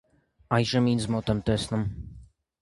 այժմ ինձ մոտ եմ տեսնում: